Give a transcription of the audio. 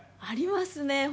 ありますね。